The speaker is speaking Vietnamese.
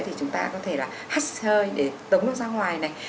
thì chúng ta có thể là hắt hơi để tống nó ra ngoài này